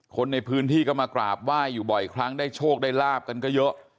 คนในพื้นที่ก็มากราบไหว้อยู่บ่อยครั้งได้โชคได้ลาบกันก็เยอะ